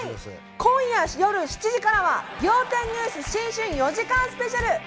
今夜７時からは『仰天ニュース』新春４時間スペシャル。